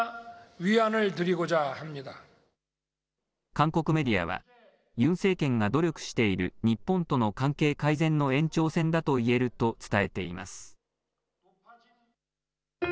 韓国メディアは、ユン政権が努力している日本との関係改善の延長戦だと言えると伝えています。